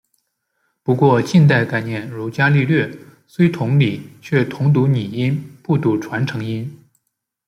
不过近代概念如伽利略虽同理却统读拟音不读传承音。